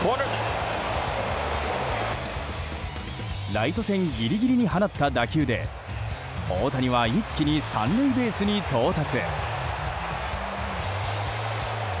ライト線ギリギリに放った打球で大谷は一気に３塁ベースに到達。